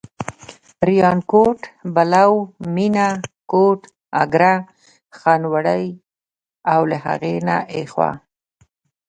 ریانکوټ، بلو، مېنه، کوټ، اګره، خانوړی او له هغې نه اخوا.